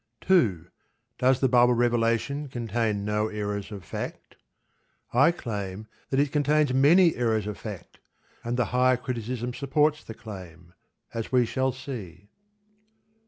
2. Does the Bible revelation contain no errors of fact? I claim that it contains many errors of fact, and the Higher Criticism supports the claim; as we shall see.